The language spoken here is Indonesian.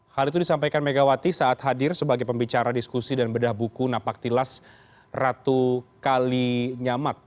hal itu disampaikan megawati saat hadir sebagai pembicara diskusi dan bedah buku napaktilas ratu kali nyamat